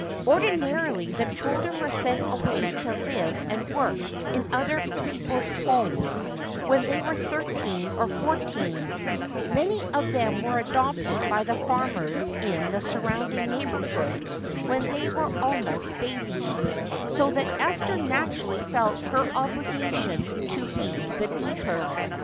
Ordinarily the children were sent away to live and work in other people's homes when they were thirteen or fourteen; many of them were adopted by the farmers in the surrounding neighborhood when they were almost babies, so that Esther naturally felt her obligation to be the deeper.